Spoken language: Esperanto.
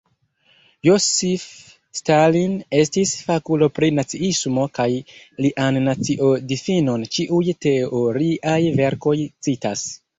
Josif Stalin estis fakulo pri naciismo kaj lian nacio-difinon ĉiuj teoriaj verkoj citas.